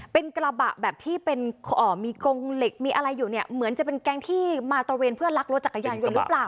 เป็นกระบะแบบที่เป็นมีกงเหล็กมีอะไรอยู่เนี่ยเหมือนจะเป็นแก๊งที่มาตระเวนเพื่อลักรถจักรยานยนต์หรือเปล่า